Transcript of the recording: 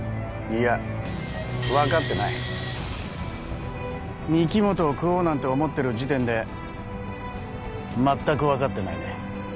いや分かってない御木本を喰おうなんて思ってる時点で全く分かってないね